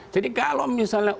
jadi kalau misalnya